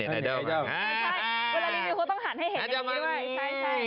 เวลารีวิวคุณต้องหันให้เห็น